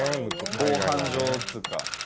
防犯上っつうか。